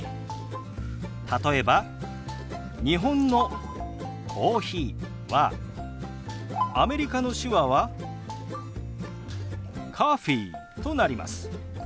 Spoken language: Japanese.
例えば日本の「コーヒー」はアメリカの手話は「ｃｏｆｆｅｅ」となります。